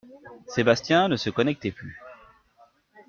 Sébastien ne se connectait plus.